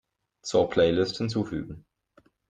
Zur Playlist hinzufügen.